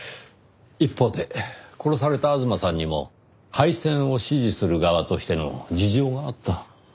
一方で殺された吾妻さんにも廃線を支持する側としての事情があった。